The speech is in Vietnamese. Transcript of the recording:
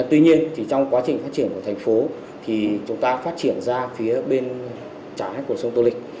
tuy nhiên trong quá trình phát triển của thành phố thì chúng ta phát triển ra phía bên trái của sông tô lịch